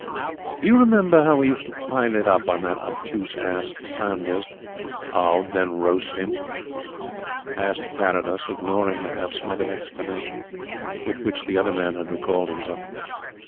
"Do you remember how we used to pile it up on that obtuse ass Sanders, and then roast him?" asked Carrados, ignoring the half smothered exclamation with which the other man had recalled himself.